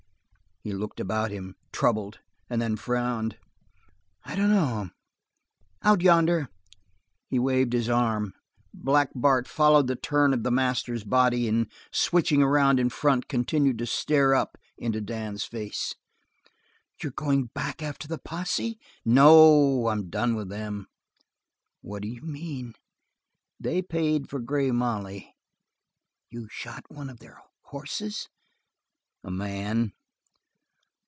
He looked about him, troubled, and then frowned. "I dunno. Out yonder." He waved his arm. Black Bart followed the turn of the master's body, and switching around in front continued to stare up into Dan's face. "You're going back after the posse?" "No, I'm done with them." "What do you mean?" "They paid for Grey Molly." "You shot one of their horses?" "A man."